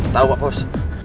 tau pak bos